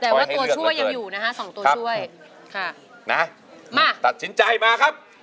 หรือจะหยุดครับ